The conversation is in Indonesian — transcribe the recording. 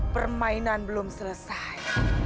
permainan belum selesai